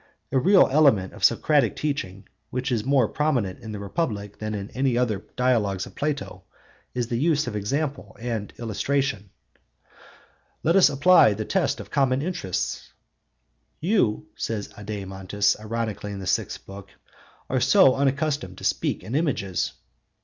A real element of Socratic teaching, which is more prominent in the Republic than in any of the other Dialogues of Plato, is the use of example and illustration τὰ φορτικὰ αὐτῷ προσφέροντες, 'Let us apply the test of common instances.' 'You,' says Adeimantus, ironically, in the sixth book, 'are so unaccustomed to speak in images.